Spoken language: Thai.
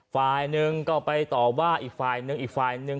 ฝ่ายหนึ่งก็ไปต่อว่าอีกฝ่ายหนึ่งอีกฝ่ายหนึ่ง